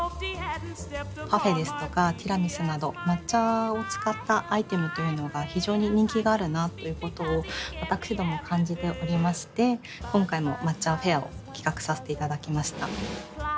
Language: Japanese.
パフェですとかティラミスなど抹茶を使ったアイテムというのが非常に人気があるなということを私ども感じておりまして今回の抹茶フェアを企画させていただきました。